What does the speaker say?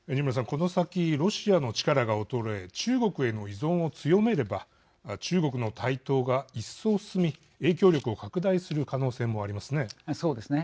この先、ロシアの力が衰え中国への依存を強めれば中国の台頭が一層進み影響力をそうですね。